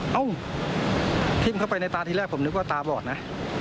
เอ้าทิ้มเข้าไปในตาทีแรกผมนึกว่าตาบอดนะ